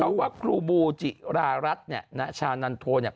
เขาว่าครูบูจิรารัดเนี่ยนะชานันต์โท